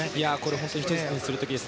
本当に１つにする時です。